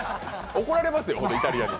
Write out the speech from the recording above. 怒られますよ、イタリアに。